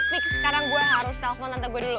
fix sekarang gue harus telepon tante gue dulu